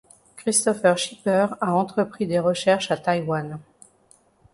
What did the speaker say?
Kristopher Schipper a entrepris des recherches à Taïwan.